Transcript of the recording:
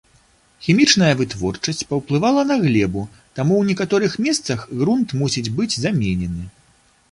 Хімічная вытворчасць паўплывала на глебу, таму ў некаторых месцах грунт мусіць быць заменены.